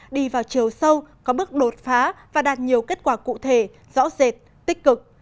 đi vào chiều sâu có bước đột phá và đạt nhiều kết quả cụ thể rõ rệt tích cực